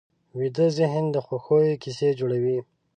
ویده ذهن د خوښیو کیسې جوړوي